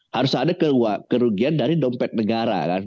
harus ada kerugian dari dompet negara kan